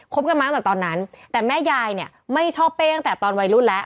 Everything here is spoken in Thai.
กันมาตั้งแต่ตอนนั้นแต่แม่ยายเนี่ยไม่ชอบเป้ตั้งแต่ตอนวัยรุ่นแล้ว